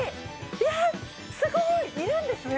やっすごいいるんですね。